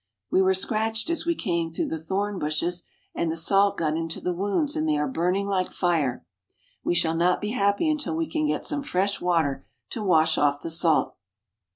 We were scratched as we came through the thorn bushes and the salt got into the wounds and they are burning like fire. We shall not be happy until we can get some fresh water to wash off the salt.